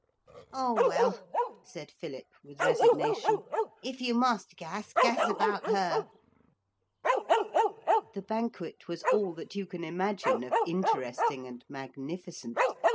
'Oh, well,' said Philip with resignation, 'if you must gas, gas about her.' The banquet was all that you can imagine of interesting and magnificent.